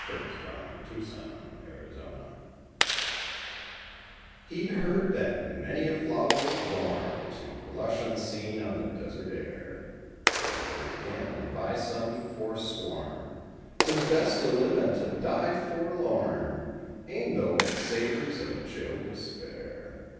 HE DID WRONG—WE THINK He'd heard that "Many a flower is born To blush unseen on the desert air," And he heard again, and by some foresworn, 'Tis best to live and to die forlorn, E'en though it savors of chill despair.